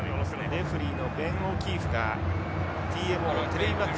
レフリーのベンオキーフがＴＭＯテレビマッチ